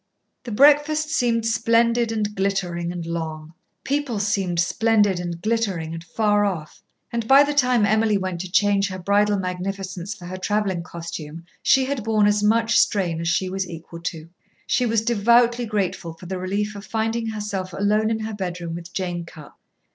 The breakfast seemed splendid and glittering and long; people seemed splendid and glittering and far off; and by the time Emily went to change her bridal magnificence for her travelling costume she had borne as much strain as she was equal to. She was devoutly grateful for the relief of finding herself alone in her bedroom with Jane Cupp.